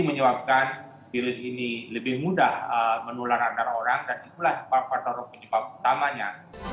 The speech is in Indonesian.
menyebabkan virus ini lebih mudah menular antara orang dan itulah faktor penyebab utamanya